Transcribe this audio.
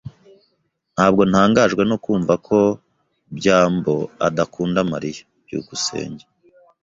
Ntabwo ntangajwe no kumva ko byambo adakunda Mariya. byukusenge